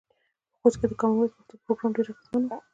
په خوست کې د کامن وایس پښتو پروګرام ډیر اغیزمن و.